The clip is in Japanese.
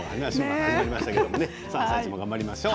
「あさイチ」も頑張りましょう。